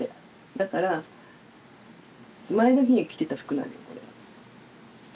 だから前の日に着てた服なのよこれ。